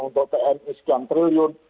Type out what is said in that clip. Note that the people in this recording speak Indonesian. untuk tni sekian triliun